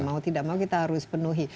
mau tidak mau kita harus penuhi